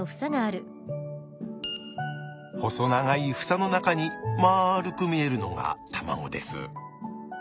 細長い房の中にまるく見えるのが卵です。